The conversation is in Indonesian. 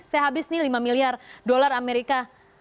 saya habis nih lima miliar dolar amerika